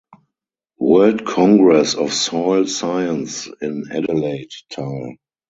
World Congress of Soil Science in Adelaide teil.